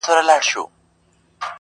هسي نه چي ستا په لاره کي اغزی سي،